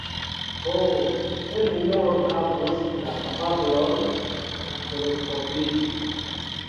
Ho, se mi nur havus la kapablon teleskopiĝi.